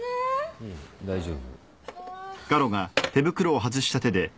ううん大丈夫。